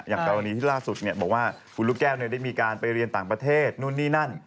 กรณีที่ล่าสุดบอกว่าคุณลูกแก้วได้มีการไปเรียนต่างประเทศนู่นนี่นั่น